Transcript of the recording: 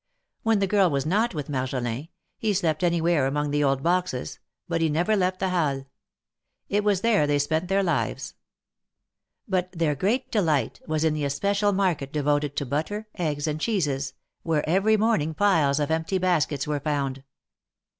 Wlien the girl was not with Marjolin, he slept anywhere 192 THE MARKETS OF PARIS. it>)imong the old boxes, but he never left the Halles. It was there they spent their lives. But their great delight, was in the especial market devoted to butter, eggs and cheeses, where every morning piles of empty baskets were found.